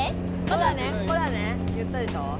ほらねほらね言ったでしょう。